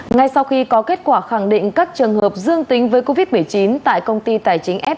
ngay sau khi có kết quả khẳng định các trường hợp dương tính với covid một mươi chín tại công ty tài chính f tám mươi tám